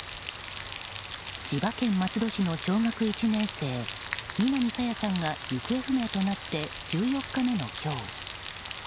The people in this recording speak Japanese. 千葉県松戸市の小学１年生南朝芽さんが行方不明となって１４日目の今日。